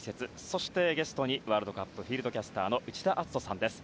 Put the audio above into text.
そして、ゲストにワールドカップフィールドキャスターの内田篤人さんです。